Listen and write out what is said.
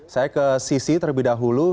saya ke sisi terlebih dahulu